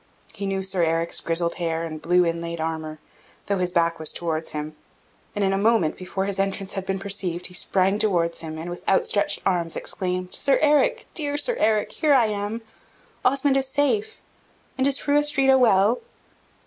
He knew Sir Eric's grizzled hair, and blue inlaid armour, though his back was towards him, and in a moment, before his entrance had been perceived, he sprang towards him, and, with outstretched arms, exclaimed: "Sir Eric dear Sir Eric, here I am! Osmond is safe! And is Fru Astrida well?"